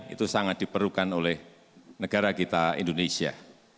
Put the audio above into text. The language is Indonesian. itu sangat diperlukan oleh negara kita indonesia